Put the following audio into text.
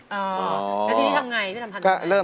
อ๋อแล้วทีนี้ทำอย่างไรพี่ทำพันธุ์ทำอย่างไร